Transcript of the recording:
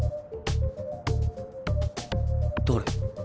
誰？